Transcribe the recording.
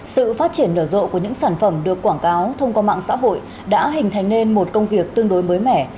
sự phát triển nở rộ của những sản phẩm được quảng cáo thông qua mạng xã hội đã hình thành nên một công việc tương đối mới mẻ